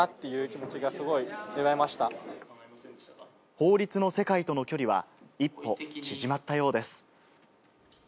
法律の世界との距離は一歩縮まったようです。